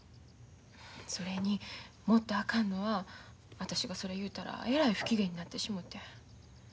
それにもっとあかんのは私がそれ言うたらえらい不機嫌になってしもて。